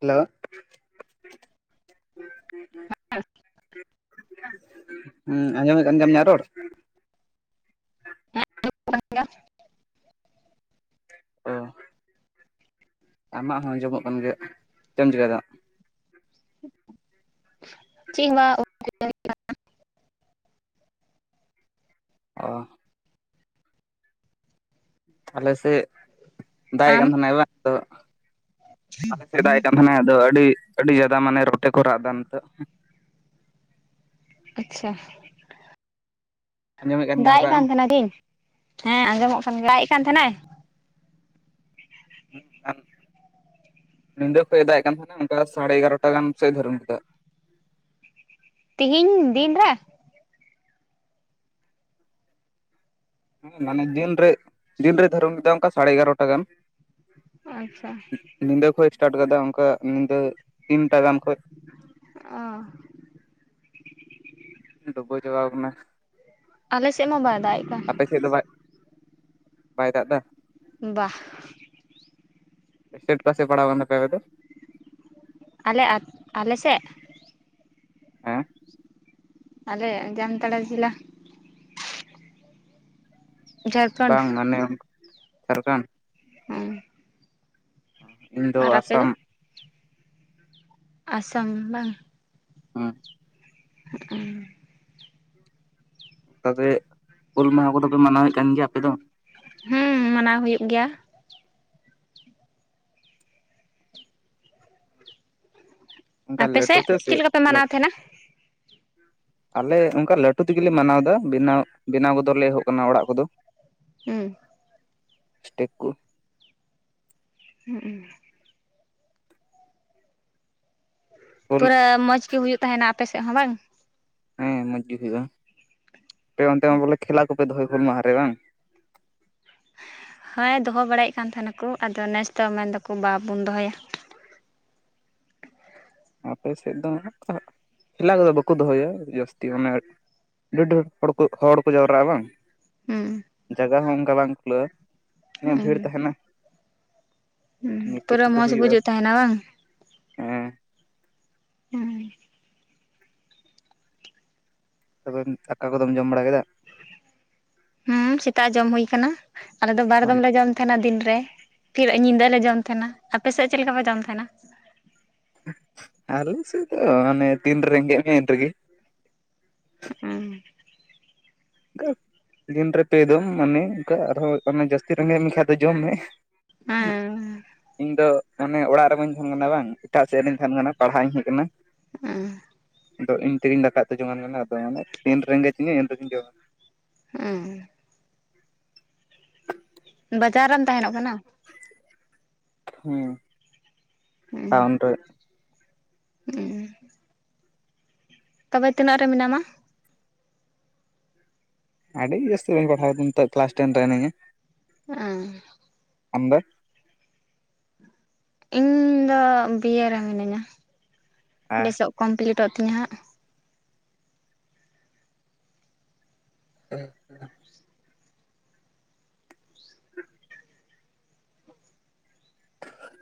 Hello ᱦᱮᱸ ᱦᱩᱸ ᱟᱸᱡᱚᱢᱮᱫ ᱠᱟᱱ ᱜᱮᱭᱟᱢ ᱤᱧᱟᱜ ᱨᱚᱲ? [unintelligible] ᱚ ᱟᱢᱟᱜ ᱦᱚᱸ ᱟᱸᱡᱚᱢᱚᱜ ᱠᱟᱱ ᱜᱮᱭᱟ ᱾ ᱪᱚᱢ ᱪᱮᱠᱟᱭ ᱮᱫᱟ? ᱪᱮᱫ ᱦᱚ ᱵᱟᱝ᱾ [unintelligible] ᱚ ᱛᱟᱦᱚᱞᱮ ᱥᱮᱫ ᱫᱟᱜ ᱮ ᱟᱢ ᱠᱟᱱ ᱛᱟᱦᱮᱱᱟᱭ ᱵᱟᱝᱫᱚ ᱟᱞᱮ ᱥᱮᱫᱮᱫᱟᱜ ᱠᱟᱱ ᱛᱟᱦᱮᱱᱟ ᱟᱫᱚ ᱟᱹᱰᱤ ᱟᱹᱰᱤ ᱡᱟᱫᱟ ᱢᱟᱱᱮ ᱨᱚᱴᱮ ᱠᱚ ᱨᱟᱜ ᱮᱫᱟ ᱱᱤᱛᱚᱜ ᱾ ᱟᱪᱪᱷᱟ ᱟᱸᱡᱚᱢᱮᱫ ᱜᱮᱭᱟᱢ ᱫᱟᱜ ᱮ ᱨᱟᱜ ᱮᱢ ᱠᱟᱱ ᱛᱟᱦᱮᱱᱟ ᱠᱤ? ᱦᱮᱸ ᱟᱸᱡᱚᱢᱚᱜ ᱠᱟᱱ ᱜᱮᱭᱟ ᱾ ᱫᱟᱜ ᱮ ᱠᱟᱱ ᱛᱟᱦᱮᱱᱟᱭ? ᱦᱩᱸ ᱧᱤᱫᱟᱹ ᱠᱷᱚᱭᱮ ᱫᱟᱭᱮ ᱠᱟᱱ ᱛᱟᱦᱮᱱᱟ ᱚᱱᱠᱟ ᱥᱟᱲᱮ ᱮᱜᱟᱨᱚᱴᱟ ᱜᱟᱱ ᱥᱮᱫ ᱫᱷᱟᱹᱨᱚᱢ ᱠᱮᱫᱟ᱾ ᱛᱤᱦᱤᱧ ᱫᱤᱱᱨᱮ ᱦᱮᱸ ᱢᱟᱱᱮ ᱫᱤᱱᱨᱮ ᱫᱤᱱᱨᱮ ᱫᱷᱟᱹᱨᱚᱱ ᱞᱮᱱᱟ ᱚᱱᱠᱟ ᱥᱟᱲᱮ ᱮᱜᱟᱨᱚᱴᱟ ᱜᱟᱱ ᱟᱪᱪᱷᱟ ᱧᱤᱫᱟᱹ ᱠᱚᱡ ᱮᱥᱴᱟᱴ ᱠᱟᱫᱟ ᱚᱱᱠᱟ ᱧᱤᱫᱟᱹ ᱛᱤᱱᱴᱟ ᱜᱟᱱ ᱠᱷᱚᱭ᱾ ᱚ ᱰᱩᱵᱟᱹᱣ ᱪᱟᱵᱟᱣ ᱠᱟᱱᱟ ᱟᱞᱮ ᱥᱮᱫ ᱢᱟ ᱵᱟᱭ ᱫᱟᱜ ᱮ ᱠᱟᱱ᱾ ᱟᱯᱮᱥᱮᱫ ᱫᱚ ᱵᱟᱭ ᱵᱟᱭ ᱫᱟᱜ ᱮᱫᱟ? ᱵᱟ ᱮᱥᱮᱴ ᱯᱟᱥᱮ ᱯᱟᱲᱟᱣ ᱟᱠᱟᱱ ᱛᱟᱯᱮ ᱟᱯᱮ ᱫᱚ ᱟᱞᱮ ᱟᱞᱮᱥᱮᱫ ᱦᱮᱸ ᱟᱞᱮ, ᱡᱟᱢᱛᱟᱲᱟ ᱡᱤᱞᱟ ᱡᱷᱟᱲᱠᱷᱚᱸᱰ ᱵᱟᱝ ᱢᱟᱱᱮ ᱡᱷᱟᱲᱠᱷᱚᱸᱰ ᱦᱮᱸ ᱚ ᱤᱧ ᱫᱚ ᱟᱥᱟᱢ ᱟᱥᱟᱢ ᱵᱟᱝ ᱦᱩᱸ ᱦᱚᱸ ᱩᱝ ᱛᱟᱵᱮ ᱦᱩᱞ ᱢᱟᱦᱟ ᱠᱚᱫᱚ ᱯᱮ ᱢᱟᱱᱟᱣᱮᱫ ᱠᱟᱱ ᱜᱮᱭᱟ ᱟᱯᱮ ᱫᱚ? ᱦᱮᱸ ᱢᱟᱱᱟᱣ ᱦᱩᱭᱩᱜ ᱜᱮᱭᱟ᱾ ᱚᱱᱠᱟ ᱟᱯᱮ ᱥᱮᱫ ᱞᱟᱹᱴᱩᱛᱮ ᱥᱮ ᱪᱮᱫ ᱞᱮᱠᱟ ᱯᱮ ᱦᱳᱭᱳᱜ ᱞᱟ ᱢᱟᱱᱟᱣ ᱛᱟᱦᱮᱱᱟ ᱟᱞᱮ ᱚᱱᱠᱟ ᱞᱟᱹᱴᱩ ᱛᱮᱜᱮᱞᱮ ᱢᱟᱱᱟᱣ ᱫᱟ, ᱵᱮᱱᱟᱣ ᱵᱮᱱᱟᱣ ᱜᱚᱫᱚ ᱞᱮ ᱮᱦᱚᱵ ᱟᱠᱟᱱᱟ ᱚᱲᱟᱜ ᱠᱚᱫᱚ᱾ ᱩᱸ ᱥᱴᱮ ᱠᱩ ᱦᱩᱸ ᱦᱩᱞ ᱯᱩᱨᱟᱹ ᱢᱚᱡᱽ ᱜᱮ ᱦᱩᱭᱩᱜ ᱛᱟᱸᱦᱮᱱᱟ ᱟᱯᱮ ᱥᱮᱫ ᱦᱚᱸ ᱵᱟᱝ? ᱦᱮᱸ ᱢᱚᱡᱽ ᱜᱮ ᱦᱩᱭᱩᱜᱼᱟ᱾ ᱟᱯᱮ ᱚᱱᱛᱮ ᱢᱟ ᱵᱚᱞᱮ ᱠᱷᱮᱞᱟ ᱠᱚᱯᱮ ᱫᱚᱦᱚᱭ ᱦᱩᱞ ᱢᱟᱦᱟ ᱨᱮ ᱵᱟᱝ? ᱦᱮᱸ ᱫᱚᱦᱚ ᱵᱟᱲᱟᱭᱮᱫ ᱠᱟᱱ ᱛᱟᱸᱦᱮᱱᱟᱠᱚ᱾ ᱟᱫᱚ ᱱᱮᱥ ᱫᱚ ᱢᱮᱱᱫᱟᱠᱚ ᱵᱟᱵᱚᱱ ᱫᱚᱦᱚᱭᱟ᱾ ᱟᱯᱮ ᱥᱮᱫ ᱫᱚ ᱠᱷᱮᱞᱟᱠᱚᱫᱚ ᱵᱟᱠᱚ ᱫᱚᱦᱚᱭᱟ ᱡᱟᱹᱥᱛᱤ ᱚᱱᱮ ᱰᱷᱮᱨ ᱰᱷᱮᱨ ᱦᱚᱲ ᱠᱚ ᱦᱚᱲ ᱠᱚ ᱡᱟᱣᱨᱟᱜᱼᱟ ᱵᱟᱝ? ᱦᱩᱸ ᱡᱟᱭᱜᱟ ᱦᱚᱸ ᱚᱱᱠᱟ ᱵᱟᱝ ᱠᱷᱩᱞᱟᱹᱜ ᱤᱱᱟᱹᱜ ᱦᱩᱸ ᱵᱷᱤᱲ ᱛᱟᱸᱦᱮᱱᱟ᱾ ᱦᱩᱸ ᱯᱩᱨᱟᱹ ᱢᱚᱸᱡᱽ ᱵᱩᱡᱟᱹᱜ ᱛᱟᱸᱦᱮᱱᱟ ᱵᱟᱝ? ᱦᱮᱸ ᱦᱩᱸ ᱟᱫᱚ ᱟᱠᱟ ᱠᱚᱫᱚᱢ ᱡᱚᱢ ᱵᱟᱲᱟ ᱠᱮᱫᱟ? ᱦᱩᱸ ᱥᱮᱛᱟᱜ ᱡᱚᱢ ᱦᱩᱭ ᱟᱠᱟᱱᱟ᱾ ᱟᱞᱮ ᱫᱚ ᱵᱟᱨ ᱫᱚᱢ ᱞᱮ ᱡᱚᱢ ᱛᱟᱦᱮᱱᱟ ᱫᱤᱱ ᱨᱮ, ᱯᱷᱤᱨ ᱧᱤᱫᱟᱹ ᱞᱮ ᱡᱚᱢ ᱛᱟᱦᱮᱸᱱᱟ᱾ ᱟᱯᱮᱥᱮᱫ ᱪᱮᱫ ᱞᱮᱠᱟ ᱯᱮ ᱡᱚᱢ ᱛᱟᱦᱮᱸᱱᱟ? ᱟᱞᱮ ᱥᱮᱫ ᱫᱚ ᱢᱟᱱᱮ ᱛᱤᱱ ᱨᱮ ᱨᱮᱸᱜᱮᱡᱽ ᱢᱮᱭᱟ ᱩᱱ ᱨᱮᱜᱮ᱾ ᱦᱩᱸ ᱟᱱᱠᱟ ᱫᱤᱱ ᱨᱮ ᱯᱮ ᱫᱚᱢ ᱢᱟᱱᱮ ᱚᱱᱠᱟ ᱟᱨᱦᱚᱸ ᱡᱟᱹᱥᱛᱤ ᱨᱮᱸᱜᱮᱡᱽ ᱢᱮᱠᱷᱟᱱ ᱫᱚ ᱡᱚᱢ ᱢᱮ᱾ ᱦᱮᱸ ᱦᱮᱸ ᱤᱧ ᱫᱚ ᱢᱟᱱᱮ ᱚᱲᱟᱜ ᱨᱮ ᱵᱟᱹᱧ ᱛᱟᱦᱮᱸᱱ ᱠᱟᱱᱟ ᱵᱟᱝ, ᱮᱴᱟᱜ ᱥᱮᱫ ᱨᱤᱧ ᱛᱟᱦᱮᱸᱱ ᱠᱟᱱᱟ ᱯᱟᱲᱦᱟᱜ ᱤᱧ ᱦᱮᱡᱽ ᱟᱠᱟᱱᱟ᱾ ᱦᱮᱸ ᱟᱫᱚ ᱤᱧ ᱛᱮᱜᱮᱧ ᱫᱟᱠᱟ ᱩᱛᱩ ᱡᱚᱝᱣᱟᱱ ᱠᱟᱱᱟᱛᱚ ᱢᱟᱱᱮ ᱛᱤᱱ ᱨᱮᱸᱜᱮᱡᱽ ᱤᱧᱟ ᱤᱱᱨᱮᱜᱮᱧ ᱡᱚᱢᱟ᱾ ᱦᱮᱸ ᱵᱟᱡᱟᱨ ᱨᱮᱢ ᱛᱟᱦᱮᱸᱱᱚᱜ ᱠᱟᱱᱟ? ᱦᱩᱸ ᱴᱟᱣᱩᱱ ᱨᱮ᱾ ᱩᱸ ᱛᱚᱵᱮ ᱛᱤᱱᱟᱹᱜ ᱨᱮ ᱢᱮᱱᱟᱢᱟ? ᱟᱹᱰᱤ ᱡᱟᱹᱥᱛᱤ ᱵᱟᱹᱧ ᱯᱟᱲᱦᱟᱣ ᱠᱟᱱᱛᱚ ᱠᱮᱞᱟᱥ ᱴᱮᱱ ᱨᱮ ᱦᱮᱱᱟᱹᱧᱟ᱾ ᱟᱸ ᱟᱢ ᱫᱚ ᱤᱧ ᱫᱚ ᱵᱤᱭᱮ ᱨᱮ ᱢᱤᱱᱟᱹᱧᱟ ᱱᱮᱥᱚᱜ ᱠᱚᱢᱯᱞᱤᱴᱚᱜ ᱛᱤᱧᱟᱹ ᱦᱟᱸᱜ᱾ ᱦᱮᱸ [unintelligible]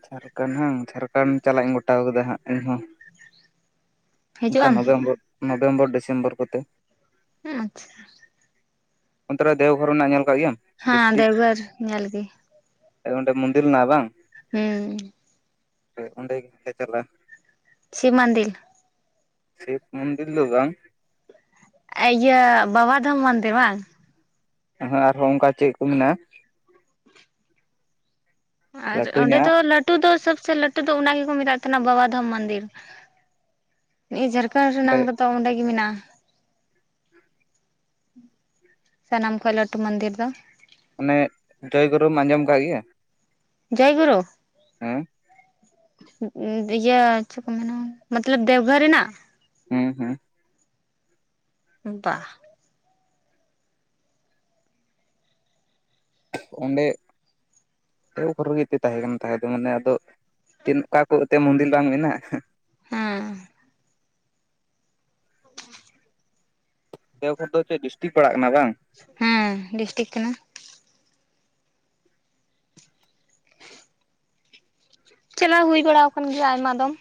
ᱡᱷᱟᱲᱠᱷᱚᱸᱰ ᱵᱟᱝ [unintelligible] ᱡᱷᱟᱲᱠᱷᱚᱸᱰ ᱪᱟᱞᱟᱜ ᱤᱧ ᱜᱚᱴᱟ ᱟᱠᱟᱫᱟ ᱦᱟᱸᱜ ᱤᱧᱦᱚᱸ ᱦᱤᱡᱩᱜ ᱚᱱᱠᱟ ᱟᱢ ᱱᱚᱵᱷᱮᱢᱵᱚᱨ, ᱱᱚᱵᱷᱮᱢᱵᱚᱨ ᱰᱤᱥᱮᱢᱵᱚᱨ ᱠᱚᱛᱮ ᱟᱪᱪᱷᱟ ᱚᱱᱛᱮ ᱨᱮ ᱫᱮᱣᱜᱷᱚᱨ ᱦᱮᱱᱟᱜᱼᱟ ᱧᱮᱞ ᱟᱠᱟᱜ ᱜᱮᱭᱟᱢ? ᱦᱮᱸ ᱫᱮᱣᱜᱷᱚᱨ ᱧᱮᱞ ᱜᱮ᱾ ᱮ ᱚᱰᱮ ᱢᱚᱱᱫᱤᱨ ᱢᱮᱱᱟᱜᱼᱟ ᱵᱟᱝ ᱦᱩᱸ ᱦᱳᱭ ᱚᱸᱰᱮ ᱜᱮᱞᱮ ᱪᱟᱞᱟᱜᱼᱟ᱾ ᱥᱤᱵ ᱢᱚᱱᱫᱤᱞ ᱥᱤᱵ ᱢᱚᱱᱫᱤᱞ ᱫᱚ ᱵᱟᱝ᱾ ᱤᱭᱟᱹ ᱵᱟᱵᱟ ᱫᱷᱚᱢᱚᱱ ᱢᱚᱱᱫᱤᱞ ᱵᱟᱝ ᱦᱮᱸ ᱟᱨᱦᱚᱸ ᱚᱱᱠᱟ ᱪᱮᱠ ᱠᱚ ᱢᱮᱱᱟᱜᱼᱟ᱾ ᱟᱨ ᱞᱟᱹᱴᱩ ᱚᱸᱰᱮ ᱧᱚᱜᱼᱟᱜ ᱫᱚ ᱞᱟᱹᱴᱼᱼ ᱞᱟᱹᱴᱩ ᱫᱚ ᱥᱚᱵᱥᱮ ᱞᱟᱹᱴᱩ ᱫᱚ ᱚᱱᱟ ᱜᱮᱠᱚ ᱢᱮᱛᱟᱜ ᱛᱟᱦᱮᱱᱟ ᱵᱟᱵᱟ ᱫᱷᱚᱢ ᱢᱚᱱᱫᱤᱨ᱾ ᱱᱤᱭᱟᱹ ᱡᱷᱟᱲᱠᱷᱚᱸᱰ ᱫᱚ [unintelligible] ᱨᱮᱫᱚ ᱚᱸᱰᱮ ᱜᱮ ᱢᱮᱱᱟᱜᱼᱟ ᱥᱟᱱᱟᱢ ᱠᱷᱚᱱ ᱞᱟᱹᱴᱩ ᱢᱚᱱᱫᱤᱨ ᱫᱚ ᱚᱱᱮ ᱫᱚᱭ ᱜᱩᱨᱩᱢ ᱟᱸᱡᱚᱢ ᱟᱠᱟᱜ ᱜᱮᱭᱟ᱾ ᱡᱚᱭ ᱜᱩᱨᱩ ᱦᱮᱸ ᱤᱭᱟᱹ ᱪᱮᱫ ᱠᱚ ᱢᱮᱱᱟ ᱢᱚᱛᱞᱚᱵ ᱫᱮᱣᱜᱷᱚᱨ ᱨᱮᱱᱟᱜ᱾ ᱦᱩᱸ ᱦᱩᱸ ᱵᱟᱜ ᱚᱸᱰᱮ ᱮ ᱠᱷᱨᱮᱜ [unintelligible] ᱮ ᱛᱟᱦᱮᱸ ᱠᱟᱱᱟ ᱛᱟᱦᱮᱸ ᱫᱚ ᱢᱟᱱᱮ ᱟᱫᱚ ᱪᱮᱫ ᱚᱠᱟ ᱠᱚ ᱮᱱᱛᱮᱫ ᱢᱚᱱᱫᱤᱨ ᱵᱟᱝ ᱢᱮᱱᱟᱜᱼᱟ ᱦᱟᱸ ᱦᱩᱸ ᱫᱮᱣᱜᱷᱚᱨ ᱫᱚ ᱪᱮᱫ ᱰᱤᱥᱴᱤᱠ ᱯᱟᱲᱟᱜ ᱠᱟᱱᱟ ᱵᱟᱝ ᱦᱩᱸ ᱰᱤᱥᱴᱤᱠ ᱠᱟᱱᱟ᱾ ᱪᱟᱞᱟᱣ ᱦᱩᱭ ᱵᱟᱲᱟ ᱟᱠᱟᱱ ᱜᱮᱭᱟ ᱟᱭᱢᱟ ᱫᱚᱢ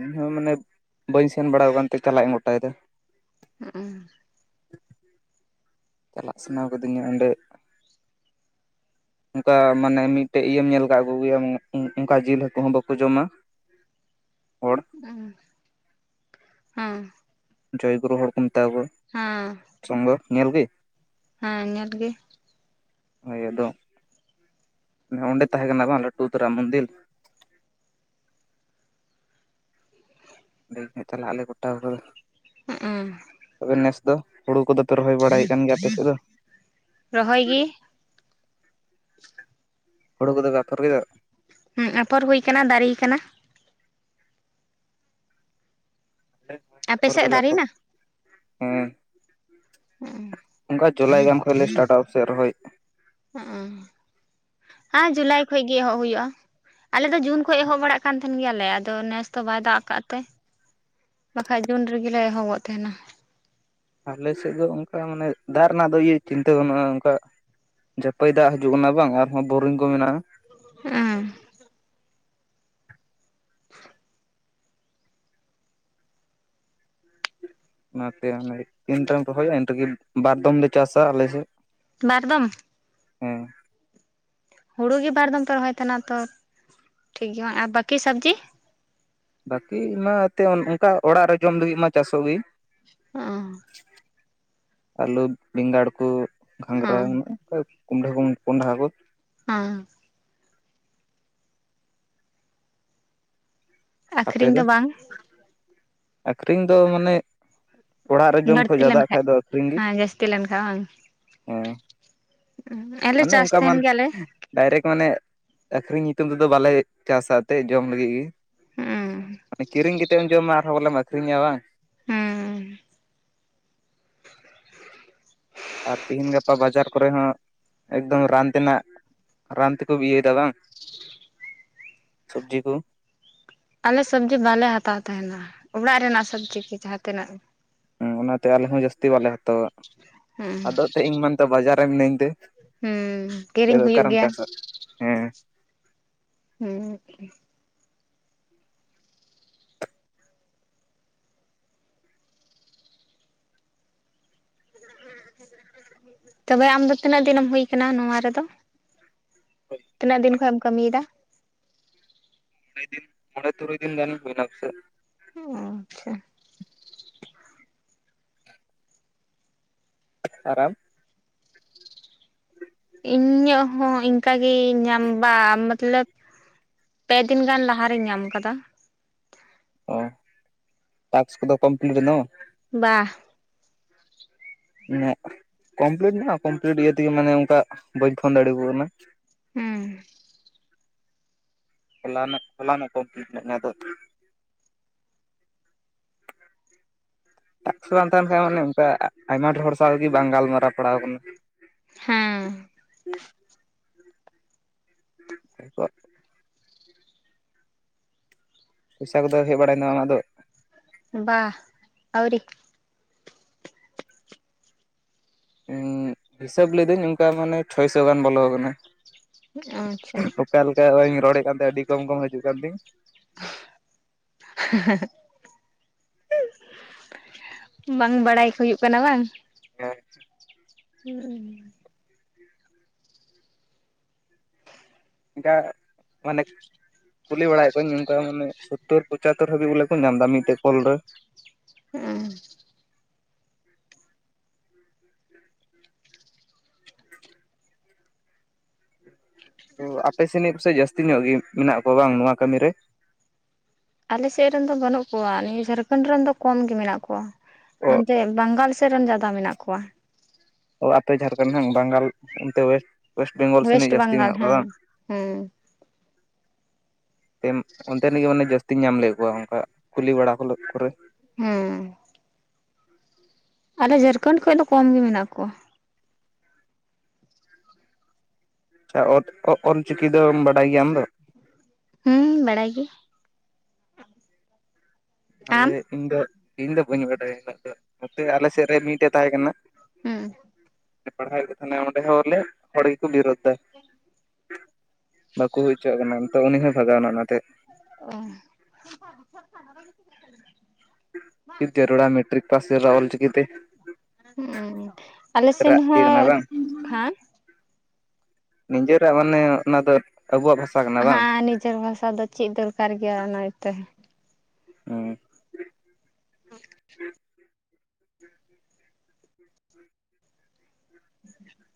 ᱤᱧ ᱦᱚᱸ ᱢᱟᱱᱮ ᱵᱟᱹᱧ ᱥᱮᱱ ᱵᱟᱲᱟ ᱟᱠᱟᱱ ᱛᱮ ᱪᱟᱞᱟᱜ ᱤᱧ ᱜᱚᱴᱟᱭ ᱮᱫᱟ᱾ ᱦᱩᱸ ᱪᱟᱞᱟᱜ ᱥᱟᱱᱟ ᱠᱟᱫᱤᱧᱟ ᱚᱸᱰᱮ ᱚᱱᱠᱟ ᱢᱟᱱᱮ ᱢᱤᱫᱴᱮᱡ ᱤᱭᱟᱹᱢ ᱧᱮᱞ ᱠᱟᱜ ᱠᱚ ᱜᱮᱭᱟᱢ ᱚᱱᱠᱟ ᱡᱤᱞ ᱦᱟᱹᱠᱩ ᱦᱚᱸ ᱵᱟᱠᱚ ᱡᱚᱢᱟ᱾ ᱦᱚᱲ ᱩᱸ ᱦᱮᱸ ᱡᱚᱭ ᱜᱩᱨᱩ ᱦᱚᱲ ᱠᱚ ᱢᱮᱛᱟ ᱠᱚᱣᱟ᱾ ᱦᱚᱸ ᱥᱚᱝᱜᱷᱚ ᱧᱮᱞ ᱜᱮ᱾ ᱦᱮᱸ ᱧᱮᱞ ᱜᱮ ᱦᱳᱭ ᱟᱫᱚ, ᱚᱸᱰᱮ ᱛᱟᱦᱮᱸ ᱠᱟᱱᱟ ᱵᱟᱝ ᱞᱟᱹᱴᱩ ᱩᱛᱚᱨᱟ ᱢᱚᱱᱫᱤᱨ ᱚᱸᱰᱮ ᱜᱮ ᱦᱟ ᱪᱟᱞᱟᱜ ᱟᱞᱮ ᱜᱚᱴᱟ ᱠᱟᱫᱟ᱾ ᱦᱮᱜ ᱩᱸ ᱛᱚᱵᱮ ᱱᱮᱥ ᱫᱚ, ᱦᱩᱲᱩ ᱠᱚᱫᱚᱯᱮ ᱨᱚᱦᱚᱭ ᱵᱟᱲᱟᱭᱮᱫ ᱠᱟᱱ ᱜᱮᱭᱟ ᱟᱯᱮ ᱥᱮᱫ ᱫᱚ? ᱨᱚᱦᱚᱭ ᱜᱮ ᱦᱳᱲᱳ ᱠᱚᱫᱚ ᱵᱟᱯᱮ ᱨᱚᱦᱚᱭᱟ ᱾ ᱦᱮᱸ ᱟᱯᱷᱚᱨ ᱦᱩᱭ ᱟᱠᱟᱱᱟ ᱫᱟᱨᱮᱭ ᱟᱠᱟᱱᱟ᱾ ᱦᱮᱸ ᱟᱯᱮ ᱥᱮᱫ [unintelligible] ᱫᱟᱨᱮᱱᱟ ᱦᱩᱸ ᱚᱱᱠᱟ ᱡᱩᱞᱟᱭ ᱜᱟᱱ ᱠᱷᱚᱡ ᱞᱮ ᱥᱴᱟᱴᱟ ᱥᱮᱫ ᱨᱚᱦᱚᱭ ᱦᱮᱸ ᱡᱩᱞᱟᱭ ᱠᱷᱚᱡ ᱜᱮ ᱮᱦᱚᱵ ᱦᱩᱭᱩᱜᱼᱟ᱾ ᱟᱞᱮ ᱫᱚ ᱡᱩᱱ ᱠᱷᱚᱱᱚᱡ ᱮᱦᱚᱵ ᱵᱟᱲᱟᱜ ᱠᱟᱱ ᱛᱟᱦᱮᱱ ᱜᱮᱭᱟᱞᱮ ᱟᱫᱚ ᱱᱮᱥ ᱫᱚ ᱵᱟᱭ ᱫᱟᱜ ᱟᱠᱟᱫ ᱛᱮ ᱵᱟᱠᱷᱟᱡ ᱡᱩᱱ ᱨᱮᱜᱮ ᱮᱦᱚᱵᱚᱜ ᱛᱟᱦᱮᱱᱟ᱾ ᱟᱞᱮ ᱥᱮᱫ ᱫᱚ ᱚᱱᱠᱟ ᱢᱟᱱᱮ ᱫᱟᱜ ᱨᱮᱱᱟᱜ ᱫᱚ ᱤᱭᱟᱹ ᱪᱤᱱᱛᱟᱹ ᱵᱟᱹᱱᱩᱜᱼᱟ ᱚᱱᱠᱟ᱾ ᱡᱟᱹᱯᱟᱹᱭ ᱫᱟᱜ ᱦᱤᱡᱩᱜ ᱠᱟᱱᱟ ᱵᱟᱝ ᱟᱨᱦᱚᱸ ᱵᱳᱨᱤᱝ ᱠᱚ ᱢᱮᱱᱟᱜᱼᱟ᱾ ᱦᱮᱸ [unintelligible] ᱚᱱᱟᱛᱮ ᱚᱱᱮ ᱛᱤᱱᱴᱮᱢ ᱨᱚᱦᱚᱼᱟ ᱤᱱ ᱨᱮᱜᱮ ᱵᱟᱨ ᱫᱚᱚᱢ ᱞᱮ ᱪᱟᱥᱟ ᱟᱞᱮ ᱥᱮᱫ ᱵᱟᱨ ᱫᱚᱢ ᱦᱮᱸ ᱦᱩᱲᱩᱜ ᱜᱮ ᱵᱟᱨ ᱫᱚᱚᱢ ᱯᱮ ᱨᱚᱦᱚᱭ ᱛᱟᱦᱮᱱᱟ ᱛᱚ ᱴᱷᱤᱠ ᱜᱮᱭᱟ ᱟᱨ ᱵᱟᱠᱤ ᱥᱚᱵᱽᱡᱤ, ᱵᱟᱠᱤ ᱢᱟ ᱮᱱᱛᱮᱫ ᱚᱱᱠᱟ ᱚᱲᱟᱜ ᱨᱮ ᱡᱚᱢ ᱞᱟᱹᱜᱤᱫ ᱢᱟ ᱪᱟᱥᱚᱜ ᱜᱮ᱾ ᱚ ᱟᱹᱞᱩ ᱵᱮᱸᱜᱟᱲ ᱠᱚ ᱜᱷᱟᱸᱜᱽᱨᱟ ᱦᱮᱸ ᱢᱮᱱᱟᱜᱼᱟ᱾ ᱠᱩᱢᱰᱷᱟ ᱠᱚ ᱠᱚᱸᱰᱷᱟ ᱠᱚ ᱟᱸ ᱟᱠᱠᱷᱨᱤᱧ ᱫᱚ ᱵᱟᱝ ᱟᱹᱠᱷᱨᱤᱧ ᱫᱚ ᱢᱟᱱᱮ ᱚᱲᱟᱜ ᱨᱮ ᱡᱚᱢ ᱠᱷᱚᱡ ᱵᱟᱹᱲᱛᱤ ᱡᱟᱫᱟᱜ ᱠᱷᱟ ᱞᱮᱱᱠᱷᱟᱡ ᱫᱚ ᱟᱠᱷᱨᱤᱧ ᱜᱮ ᱦᱮᱸ ᱡᱟᱹᱥᱛᱤ ᱞᱮᱱᱠᱷᱟᱡ ᱵᱟᱝ ᱦᱮᱸ ᱟᱞᱮ ᱢᱟᱱᱮ ᱪᱟᱥ ᱚᱱᱠᱟ ᱢᱟ ᱛᱟᱦᱮᱱ ᱜᱮᱭᱟᱞᱮ ᱰᱟᱭᱨᱮᱠᱴ ᱢᱟᱱᱮ ᱟᱹᱠᱷᱨᱤᱧ ᱧᱩᱛᱩᱢ ᱛᱮᱫᱚ ᱵᱟᱞᱮ ᱪᱟᱥᱟ ᱮᱱᱛᱮᱫ ᱡᱚᱢ ᱞᱟᱹᱜᱤᱫ ᱜᱮ ᱦᱩᱸ ᱠᱤᱨᱤᱧ ᱠᱟᱛᱮᱢ ᱡᱚᱢᱟ ᱟᱨᱦᱚᱸ ᱵᱚᱞᱮᱢ ᱟᱹᱠᱷᱨᱤᱧᱟ ᱵᱟᱝ᱾ ᱦᱩᱸ ᱟᱨ ᱛᱮᱤᱦᱮᱧ ᱜᱟᱯᱟ ᱵᱟᱡᱟᱨ ᱠᱚᱨᱮ ᱦᱚᱸ ᱮᱠᱫᱚᱢ ᱨᱟᱱ ᱛᱮᱱᱟᱜ᱾ ᱨᱟᱱ ᱛᱮᱠᱚ ᱤᱭᱟᱹᱭᱮᱫᱟ ᱵᱟᱝ ᱥᱚᱵᱡᱤ ᱠᱚ ᱟᱞᱮ ᱥᱚᱵᱽᱡᱤ ᱵᱟᱞᱮ ᱦᱟᱛᱟᱣ ᱛᱟᱦᱮᱱᱟ ᱚᱲᱟᱜ ᱨᱮᱱᱟᱜ ᱥᱚᱵᱽᱡᱤ ᱜᱮᱤ ᱡᱟᱦᱟᱸ ᱛᱤᱱᱟᱹᱜ ᱜᱮ᱾ ᱦᱮᱸ ᱚᱱᱟᱛᱮ ᱟᱞᱮ ᱦᱚᱸ ᱡᱟᱹᱥᱛᱤ ᱵᱟᱞᱮ ᱦᱟᱛᱟᱣᱟ ᱦᱩᱸ ᱟᱫᱚ ᱮᱱᱛᱜ ᱤᱧ ᱢᱮᱱᱛᱚ ᱵᱟᱡᱟᱨ ᱨᱮ ᱢᱤᱱᱟᱹᱧ ᱛᱮ ᱦᱮᱸ ᱠᱤᱨᱤᱧ ᱟᱫᱚ ᱦᱩᱭᱩᱜ ᱚᱠᱟᱨᱮᱢ ᱜᱮᱭᱟ ᱪᱟᱥᱟ ᱦᱮᱸ ᱦᱮᱸ ᱛᱚᱵᱮ ᱟᱢᱫᱚ ᱛᱤᱱᱟᱹᱜ ᱫᱤᱱ ᱮᱢ ᱦᱳᱭ ᱟᱠᱟᱱᱟ ᱱᱚᱣᱟ ᱨᱮᱫᱚ ᱛᱤᱱᱟᱹᱜ ᱫᱤᱱ ᱠᱷᱚᱱ ᱮᱢ ᱠᱟᱹᱢᱤ ᱮᱫᱟ? ᱢᱚᱬᱮ ᱫᱤᱱ ᱢᱚᱬᱮ ᱛᱩᱨᱩᱭ ᱫᱤᱱ ᱜᱟᱱ ᱦᱩᱭᱱᱟ ᱯᱟᱥᱮᱫ ᱚ ᱟᱪᱪᱷᱟ ᱟᱨ ᱟᱢ [inaudible] ᱤᱧᱟᱹᱜ ᱦᱚᱸ ᱤᱱᱠᱟᱜᱮ ᱧᱟᱢ ᱵᱟ ᱢᱟᱛ ᱞᱚᱵ ᱯᱮ ᱫᱤᱱ ᱜᱟᱱ ᱞᱟᱦᱟᱨᱮᱤᱧ ᱧᱟᱢ ᱟᱠᱟᱫᱟ᱾ ᱚ ᱴᱟᱠᱥ ᱠᱚᱫᱚ ᱠᱚᱢᱯᱞᱤᱴ ᱮᱱᱟ᱾ ᱵᱟ ᱠᱚᱢᱯᱞᱤᱴ ᱢᱮᱱᱟᱜᱼᱟ ᱠᱚᱢᱯᱞᱤᱴ ᱤᱭᱟᱹ ᱛᱮᱜᱮ ᱢᱟᱱᱮ ᱚᱱᱠᱟ ᱵᱟᱹᱧ ᱯᱷᱳᱱ ᱫᱟᱲᱮᱭᱟᱠᱚ ᱠᱟᱱᱟ᱾ ᱦᱮᱸ ᱦᱚᱞᱟᱱᱚᱜ ᱦᱚᱞᱟᱱᱚᱜ ᱠᱚᱢᱯᱞᱮᱴ ᱟᱫᱚ [inaudible] [inaudible] ᱴᱟᱠᱥ ᱵᱟᱝ ᱛᱟᱦᱮᱱ ᱠᱷᱟᱱ ᱢᱟᱱᱮ ᱚᱱᱠᱟ ᱟᱭᱢᱟ ᱰᱷᱮᱨ ᱦᱚᱲ ᱥᱟᱶᱜᱮ ᱵᱟᱝ ᱜᱟᱞᱢᱟᱨᱟᱣ ᱯᱟᱲᱟᱣ ᱟᱠᱟᱱᱟ ᱦᱮᱸ [inaudible] ᱯᱚᱭᱥᱟ ᱠᱚᱫᱚ ᱦᱮᱡ ᱵᱟᱲᱟᱭᱱᱟ ᱟᱢᱟᱜ ᱫᱚ? ᱵᱟ ᱟᱹᱣᱨᱤ ᱦᱤᱥᱟᱹᱵ ᱞᱤᱫᱟᱹᱧ ᱚᱱᱠᱟ ᱢᱟᱱᱮ ᱪᱷᱚᱭ ᱥᱚ ᱜᱟᱱ ᱵᱚᱞᱚ ᱟᱠᱟᱱᱟ᱾ ᱚ ᱟᱪᱪᱷᱟ ᱚᱠᱟ ᱞᱮᱠᱟ ᱚᱧ ᱨᱚᱲᱮᱫ ᱠᱟᱱ ᱛᱟᱦᱮᱸᱟᱹ ᱟᱹᱰᱤ ᱠᱚᱢ ᱠᱚᱢ ᱦᱤᱡᱩᱜ ᱠᱟᱱ ᱛᱤᱧ ᱦᱮᱸ ᱵᱟᱝ ᱵᱟᱲᱟᱭ ᱦᱩᱭᱩᱜ ᱠᱟᱱᱟ ᱵᱟᱝ ᱦᱮ ᱦᱩᱸ [unintelligible] ᱢᱟᱱᱮ ᱠᱩᱞᱤ ᱵᱟᱲᱟᱭᱮᱫ ᱠᱚᱭᱤᱧ ᱱᱚᱝᱠᱟ ᱢᱟᱱᱮ ᱥᱳᱛᱳᱨ ᱯᱚᱪᱟᱛᱚᱨ ᱦᱟᱹᱵᱤᱡ ᱵᱚᱞᱮ ᱠᱚ ᱧᱟᱢ ᱮᱫᱟ ᱢᱤᱫᱴᱮᱡ ᱠᱚᱞ ᱨᱮ [unintelligible] ᱛ ᱟᱯᱮ ᱥᱮᱱᱤᱡ ᱯᱟᱥᱮᱡ ᱡᱟᱹᱥᱛᱤ ᱧᱚᱜ ᱜᱮ ᱢᱮᱱᱟᱜ ᱠᱚᱣᱟ ᱵᱟᱝ ᱱᱚᱣᱟ ᱠᱟᱹᱢᱤ ᱨᱮ ᱟᱞᱮᱥᱮᱫ ᱨᱮᱱ ᱫᱚ ᱵᱟᱹᱱᱩᱜ ᱠᱚᱣᱟ ᱱᱤᱭᱟᱹ ᱡᱷᱟᱲᱠᱷᱚᱱᱰ ᱨᱮᱱ ᱫᱚ ᱠᱚᱢ ᱜᱮ ᱢᱮᱱᱟᱜ ᱠᱚᱣᱟ ᱦᱟᱱᱛᱮ ᱵᱟᱝᱜᱟᱞ ᱥᱮᱫ ᱨᱮᱱ ᱡᱟᱫᱟ ᱢᱮᱱᱟᱜ ᱠᱚᱣᱟ ᱟᱯᱮ ᱡᱷᱟᱲᱠᱷᱚᱸᱰ ᱦᱟᱜ ᱵᱟᱝᱜᱟᱞ ᱚᱱᱛᱮ ᱚᱭᱮᱥᱴ ᱵᱮᱝᱜᱚᱞ ᱳᱭᱮᱥᱴ ᱥᱮᱱᱤᱡ ᱡᱟᱹᱥᱛᱤ ᱵᱟᱝᱜᱟᱞ ᱢᱮᱱᱟᱜ ᱠᱚᱣᱟ ᱦᱮᱸ ᱵᱟᱝ ᱦᱮᱸ [unintelligible] ᱚᱱᱛᱮ ᱨᱮ ᱜᱮ ᱢᱟᱱᱮ ᱡᱟᱹᱥᱛᱤᱧ ᱧᱟᱢ ᱞᱮᱫ ᱠᱚᱣᱟ ᱚᱱᱠᱟ ᱠᱩᱞᱤ ᱵᱟᱲᱟ ᱠᱚ ᱠᱚᱨᱮ ᱦᱩᱸ ᱟᱞᱮ ᱡᱷᱟᱲᱠᱷᱚᱸᱰ ᱠᱷᱚᱱ ᱫᱚ ᱠᱚᱢ ᱜᱮ ᱢᱮᱱᱟᱜ ᱠᱚᱣᱟ ᱟᱪᱪᱷᱟ ᱚᱞ ᱪᱤᱠᱤ ᱫᱚ ᱵᱟᱰᱟᱭ ᱜᱮᱭᱟᱢ ᱟᱢ ᱫᱚ ᱦᱩᱸ ᱵᱟᱲᱟᱭ ᱜᱤ ᱟᱞᱮ ᱤᱧ ᱫᱚ ᱤᱧ ᱫᱚ ᱵᱟᱹᱧ ᱵᱟᱰᱟᱭᱟ [unintelligible] ᱱᱚᱛᱮ ᱟᱞᱮ ᱥᱮᱫ ᱨᱮ ᱢᱤᱫᱴᱮᱡ ᱛᱟᱦᱮᱸ ᱠᱟᱱᱟ ᱦᱩᱸ ᱯᱟᱲᱦᱟᱣ ᱮᱫ ᱠᱚ ᱛᱟᱦᱮᱱᱟ ᱚᱸᱰᱮ ᱦᱚᱸᱞᱮ ᱦᱚᱲ ᱜᱮᱠᱚ ᱵᱤᱨᱳᱫᱫᱟ ᱵᱟᱠᱚ ᱦᱩᱭ ᱦᱚᱪᱚᱣᱟᱜ ᱠᱟᱱᱟ ᱛᱚ ᱩᱱᱤ ᱦᱚᱸ ᱵᱷᱟᱜᱟᱣᱱᱟ ᱚᱱᱟᱛᱮ ᱚ [unintelligible] ᱦᱩᱸ ᱟᱞᱮ ᱥᱮᱱ ᱨᱟᱜ ᱤᱭᱟᱹ ᱠᱟᱱᱟ ᱦᱚᱸ ᱵᱟᱝ ᱦᱟ ᱱᱤᱡᱮᱨᱟᱜ ᱢᱟᱱᱮ ᱚᱱᱟ ᱫᱚ ᱟᱵᱚᱣᱟᱜ ᱵᱷᱟᱥᱟ ᱠᱟᱱᱟ ᱵᱟᱝ ᱦᱮᱸ ᱱᱤᱡᱮᱨ ᱵᱷᱟᱥᱟ ᱫᱚ ᱪᱮᱫ ᱫᱚᱨᱠᱟᱨ ᱜᱮᱭᱟ ᱚᱱᱟᱛᱮ ᱚ ᱦᱩᱸ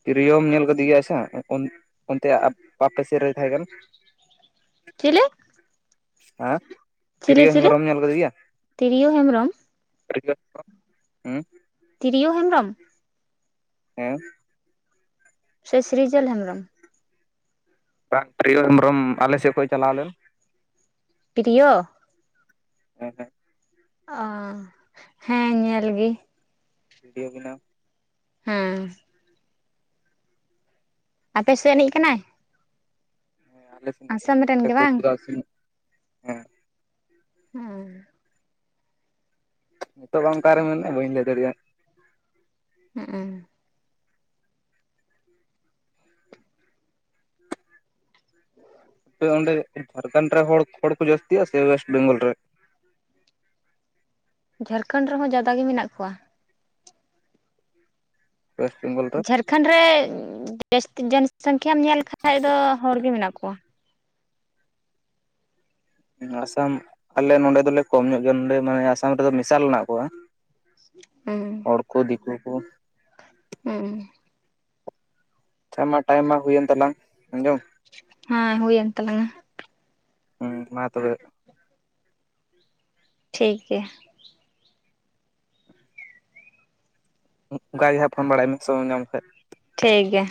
ᱛᱨᱤᱭᱳᱚᱢ ᱧᱮᱞ ᱠᱟᱫᱮ ᱜᱮᱭᱟ ᱟᱪᱪᱷᱟ ᱚᱱᱛᱮ ᱟᱯᱮ ᱥᱮᱫ ᱨᱮ ᱛᱟᱦᱮᱸ ᱠᱟᱱᱟ ᱪᱮᱞᱮ ᱦᱮᱸ ᱛᱤᱨᱭᱳ ᱪᱤᱞᱤ ᱦᱮᱢᱵᱽᱨᱚᱢ ᱧᱮᱞ ᱠᱟᱫᱮᱭᱟ ᱛᱤᱨᱭᱳ ᱦᱮᱢᱵᱨᱚᱢ [unintelligible] ᱦᱩᱸ ᱛᱤᱨᱭᱳ ᱦᱮᱢᱵᱽᱨᱚᱢ ᱦᱮᱸ ᱥᱮ ᱥᱨᱤᱡᱚᱞ ᱦᱮᱢᱵᱽᱨᱚᱢ ᱵᱟᱝ ᱯᱨᱤᱭᱚ ᱦᱮᱢᱵᱽᱨᱚᱢ ᱟᱞᱮ ᱥᱮᱫ ᱠᱷᱚᱱ ᱪᱟᱞᱟᱣ ᱞᱮᱱ ᱯᱨᱤᱭᱚ [unintelligible] [inaudible] ᱚ ᱦᱮᱸ ᱧᱮᱞ ᱜᱮ ᱵᱷᱤᱰᱭᱳ ᱵᱮᱱᱟᱣ ᱦᱮᱸ ᱟᱯᱮ ᱥᱮᱫ ᱮᱱᱤᱡ ᱠᱟᱱᱟᱭ ᱟᱥᱟᱢ [inaudible] ᱨᱮᱱ ᱜᱮ ᱵᱟᱝ [unintelligible] ᱦᱮᱸ ᱦᱩᱸ ᱱᱤᱛᱚᱜ ᱵᱟᱝ ᱚᱠᱟᱨᱮ ᱢᱮᱱᱮᱫ ᱵᱟᱹᱧ ᱞᱟᱹᱭ ᱫᱟᱲᱮᱭᱟᱜᱼᱟ ᱦᱩ ᱟᱯᱮ ᱚᱸᱰᱮ ᱡᱷᱟᱲᱠᱷᱚᱸᱰ ᱨᱮ ᱦᱚᱲ ᱦᱚᱲ ᱠᱚ ᱡᱟᱹᱥᱛᱤᱜᱼᱟ ᱥᱮ ᱚᱭᱮᱥᱴ ᱵᱮᱝᱜᱚᱞ ᱨᱮ ᱡᱷᱟᱲᱠᱷᱚᱸᱰ ᱨᱮᱦᱚᱸ ᱡᱟᱫᱟ ᱜᱮ ᱢᱮᱱᱟᱜ ᱠᱚᱣᱟ ᱚᱭᱮᱥᱴ ᱵᱮᱝᱜᱚᱞ ᱫᱚ ᱮᱠᱷᱟᱱᱰ ᱨᱮ ᱡᱟᱹᱥᱛᱤ ᱡᱚᱱ ᱥᱚᱝᱠᱷᱭᱟᱢ ᱧᱮᱞ ᱠᱷᱟᱱ ᱫᱚ ᱦᱚᱲ ᱜᱮ ᱢᱮᱱᱟᱜ ᱠᱚᱣᱟ ᱟᱥᱟᱢ ᱟᱞᱮ ᱱᱚᱰᱮ ᱫᱚᱞᱮ ᱠᱚᱢ ᱧᱚᱜ ᱜᱮᱭᱟ ᱱᱚᱰᱮ ᱢᱟᱱᱮ ᱟᱥᱟᱢ ᱨᱮᱫᱚ ᱢᱮᱥᱟᱞ ᱦᱮᱱᱟᱜ ᱠᱚᱣᱟ ᱦᱮᱸ ᱦᱚᱲ ᱠᱚ ᱫᱤᱠᱩ ᱠᱚ ᱦᱩᱸ ᱟᱪᱪᱷᱟ ᱢᱟ ᱴᱟᱭᱤᱢ ᱢᱟ ᱦᱩᱭᱮᱱ ᱛᱟᱞᱟᱝ ᱟᱸᱡᱚᱢ ᱦᱮᱸ ᱦᱩᱭ ᱮᱱ ᱛᱟᱞᱟᱝᱟ ᱦᱮᱸ ᱢᱟ ᱛᱚᱵᱮ ᱴᱷᱤᱠ ᱜᱮᱭᱟ ᱚᱱᱠᱟ ᱜᱮ ᱦᱟᱸᱜ ᱯᱷᱳᱱ ᱵᱟᱲᱟᱭ ᱢᱮ ᱥᱚᱢᱚᱭ ᱧᱟᱢ ᱠᱷᱟᱡ ᱴᱷᱤᱠ ᱜᱮᱭᱟ